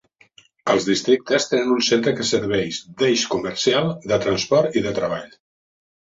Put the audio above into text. Els districtes tenen un centre que serveix de eix comercial, de transport i de treball.